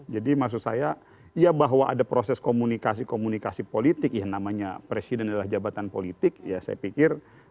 jadi maksud saya ya bahwa ada proses komunikasi komunikasi politik ya namanya presiden adalah jabatan politik ya saya pikir